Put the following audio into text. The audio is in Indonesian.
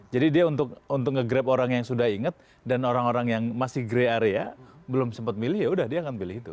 jadi dia untuk nge grab orang yang sudah inget dan orang orang yang masih grey area belum sempat milih yaudah dia akan pilih itu